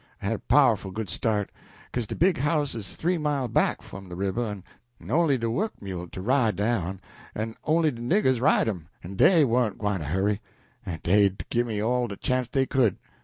I had a pow'ful good start, 'ca'se de big house 'uz three mile back f'om de river en on'y de work mules to ride dah on, en on'y niggers to ride 'em, en dey warn't gwine to hurry dey'd gimme all de chance dey could.